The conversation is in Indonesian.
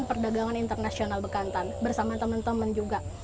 perdagangan internasional bekantan bersama teman teman juga